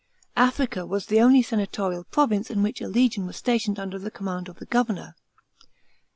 Africa was the only senatorial province in which a legion was stationed under the command of the governor.